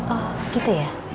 oh gitu ya